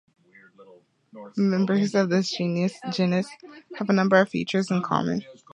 Members of this genus have a number of features in common.